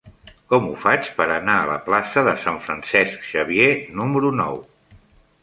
Com ho faig per anar a la plaça de Sant Francesc Xavier número nou?